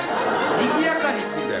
にぎやかにいくんだよ。